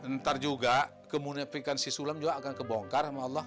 ntar juga kemunafikan si sulam juga akan kebongkar